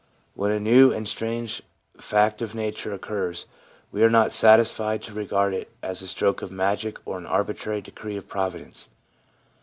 When a new and strange fact of nature occurs we are not satisfied to regard it as a stroke of magic or an arbitrary decree of Providence.